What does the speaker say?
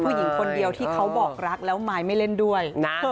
ผู้หญิงคนเดียวที่เขาบอกรักแล้วมายไม่เล่นด้วยนะ